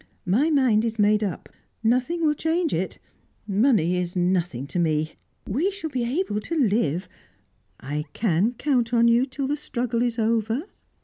My mind is made up; nothing will change it. Money is nothing to me; we shall be able to live " "I can count on you till the struggle is over?"